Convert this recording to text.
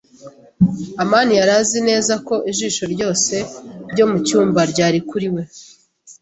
amani yari azi neza ko ijisho ryose ryo mucyumba ryari kuri we.